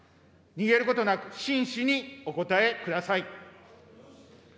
逃げることなく真摯にお答えください。